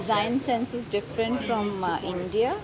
saya akan bilang rasanya berbeda dari india